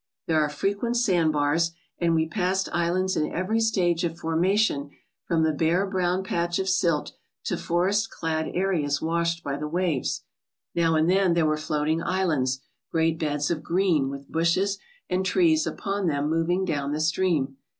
There are frequent sand bars and we passed islands in every stage of formation from the bare brown patch of silt to forest clad areas washed by the waves. Now and then there were floating islands, great beds of green, with bushes and trees upon them moving 'down the stream.